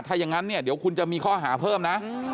ถ้าอย่างนั้นเนี่ยเดี๋ยวคุณจะมีข้อหาเพิ่มนะ